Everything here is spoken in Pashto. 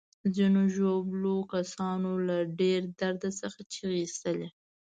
ځینو ژوبلو کسانو له ډیر درد څخه چیغې ایستلې.